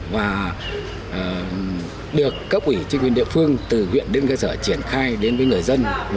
và được cấp ủy chính quyền địa phương từ huyện đến cơ sở triển khai đến với người dân